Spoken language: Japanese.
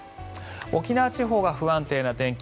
沖縄地方は不安定な天気